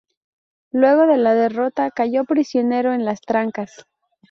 Luego de la derrota, cayó prisionero en Las Trancas.